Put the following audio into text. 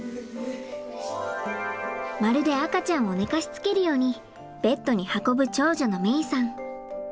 まるで赤ちゃんを寝かしつけるようにベッドに運ぶ長女の芽依さん。